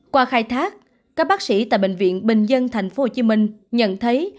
qua khai thác các bác sĩ tại bệnh viện bình dân tp hcm nhận thấy